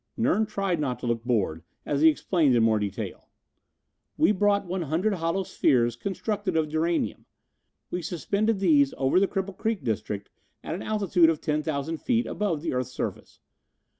Nern tried not to look bored as he explained more in detail: "We brought 100 hollow spheres constructed of duranium. We suspended these over the Cripple Creek district at an altitude of 10,000 feet above the earth's surface.